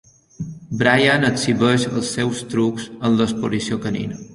Brian exhibeix els seus trucs en l'exposició canina.